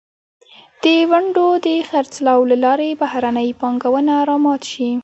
د ونډو د خرڅلاو له لارې بهرنۍ پانګونه را مات شي.